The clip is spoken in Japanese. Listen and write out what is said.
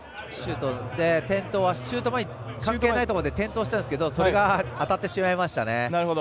シュート前に関係ないと思うので転倒してたんですけどそれが当たってしまいましたね。